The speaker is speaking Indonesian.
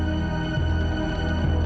ya maksudnya dia sudah kembali ke mobil